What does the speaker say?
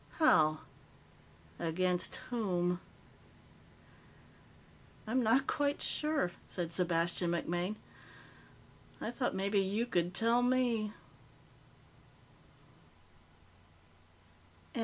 How? Against whom?" "I'm not quite sure," said Sebastian MacMaine. "I thought maybe you could tell me."